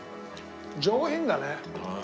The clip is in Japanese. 上品だね。